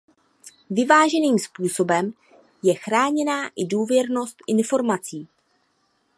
Vyváženým způsobem je chráněna i důvěrnost informací.